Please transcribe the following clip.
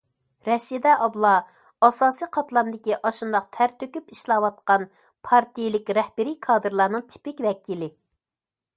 رەشىدە ئابلا ئاساسىي قاتلامدىكى ئاشۇنداق تەر تۆكۈپ ئىشلەۋاتقان پارتىيەلىك رەھبىرىي كادىرلارنىڭ تىپىك ۋەكىلى.